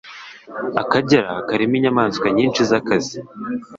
akagera karimo inyamanswa nyinshi zinkazi